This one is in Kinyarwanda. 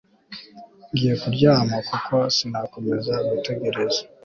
Ngiye kuryama kuko sinakomeza gutegereza